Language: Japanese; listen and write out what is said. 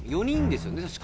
４人ですよね？